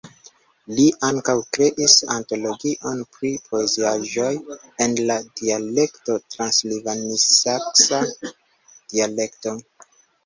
Li ankaŭ kreis antologion pri poeziaĵoj en la dialekto transilvanisaksa dialekto.